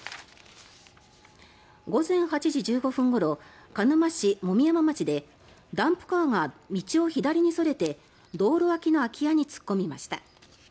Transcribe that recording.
午前８時１５分ごろ鹿沼市樅山町でダンプカーが道を左にそれて道路脇の空き家に突っ込みました。